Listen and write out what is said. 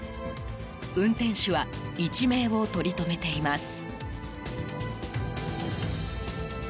運転手は一命をとりとめています。